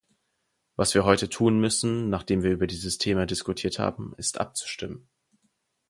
Was wir heute tun müssen, nachdem wir über dieses Thema diskutiert haben, ist, abzustimmen.